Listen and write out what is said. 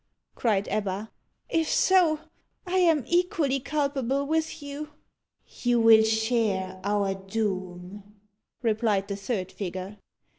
cried Ebba. "If so, I am equally culpable with you." "You will share our doom," replied the third figure.